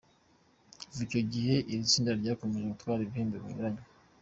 Kuva icyo gihe iri tsinda ryakomeje gutwara ibihembo binyuranye.